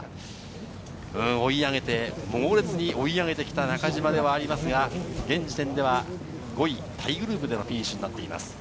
追い上げて、猛烈に追い上げてきた中島ですが、現時点では５位タイグループでのフィニッシュになっています。